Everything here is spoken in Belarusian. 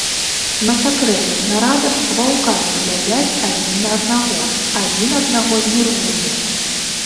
На сакрэтных нарадах ваўкамі глядзяць адзін на аднаго, адзін аднаго нервуе.